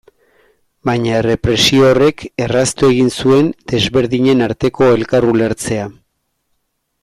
Baina errepresio horrek erraztu egin zuen desberdinen arteko elkar ulertzea.